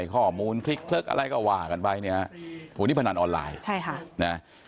ข้อมูลคลิกอะไรก็ว่ากันไปเนี่ยวันนี้พนันออนไลน์ใช่ค่ะนะ